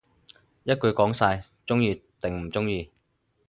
一句講晒，鍾意定唔鍾意